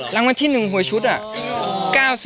รางวัลที่๑หวยชุดอะ